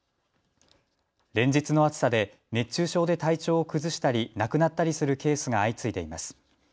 連日の暑さで熱中症で体調を崩したり亡くなったりするケースが相次いでいます。